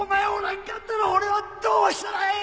んかったら俺はどうしたらええんやて！？